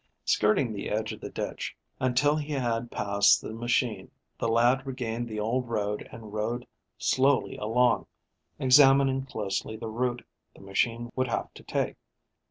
Skirting the edge of the ditch until he had passed the machine the lad regained the old road and rode slowly along, examining closely the route the machine would have to take.